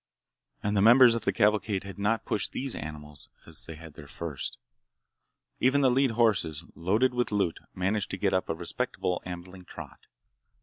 And the members of the cavalcade had not pushed these animals as they had their first. Even the lead horses, loaded with loot, managed to get up to a respectable ambling trot.